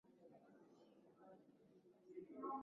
aah kupitia nambari yetu ambayo ni alama ya kujumulisha